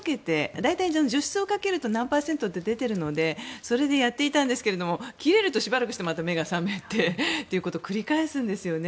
大体除湿をかけると何パーセントって出ているのでそれでやっていたんですが切れると、しばらくして目が覚めてということを繰り返すんですよね。